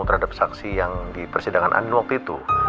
terhadap saksi yang di persidangan andin waktu itu